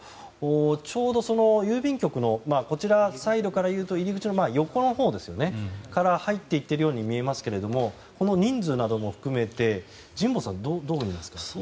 ちょうど郵便局の入り口の横のほうから入っていってるように見えますけどもこの人数などを含めて神保さん、どうみますか？